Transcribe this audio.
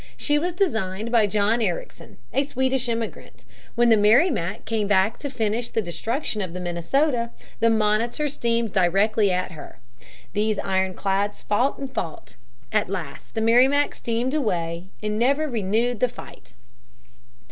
She was designed by John Ericsson, a Swedish immigrant. When the Merrimac came back to finish the destruction of the Minnesota, the Monitor steamed directly to her. These two ironclads fought and fought. At last the Merrimac steamed away and never renewed the fight.